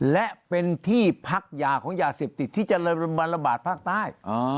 และเป็นที่พักยาของยาเสพติดที่จะเริ่มมาระบาดภาคใต้